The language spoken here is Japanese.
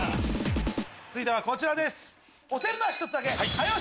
続いてはこちらです。